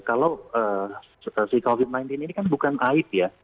kalau situasi covid sembilan belas ini kan bukan aib ya